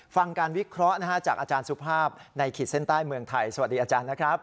ฟังการวิเคราะห์จากอาจารย์สุภาพในขีดเส้นใต้เมืองไทยสวัสดีอาจารย์นะครับ